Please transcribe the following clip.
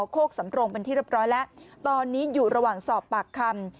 โคกสำรงเป็นที่เรียบร้อยแล้วตอนนี้อยู่ระหว่างสอบปากคำ